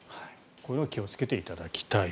こういうのに気をつけていただきたい。